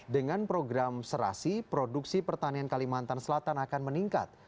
dengan program serasi produksi pertanian kalimantan selatan akan meningkat